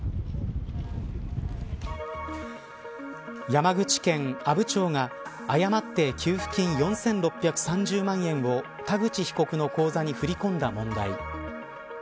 山口県阿武町が誤って給付金４６３０万円を田口被告の口座に振り込んだ問題。